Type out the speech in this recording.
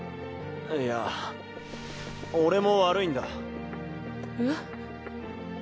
いや俺も悪いんだ。え？